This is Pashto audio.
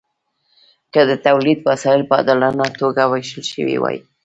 که د تولید وسایل په عادلانه توګه ویشل شوي وای.